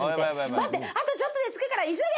「待ってあとちょっとで着くから急げ！」